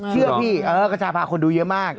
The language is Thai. เชื่อพี่กระชาพาคนดูเยอะมาก